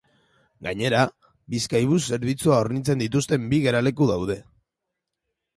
Gainera, Bizkaibus zerbitzua hornitzen dituzten bi geraleku daude.